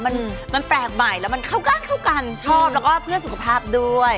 มันแปลกใหม่และมันเข้ากันชอบแล้วก็เพื่อสุขภาพด้วย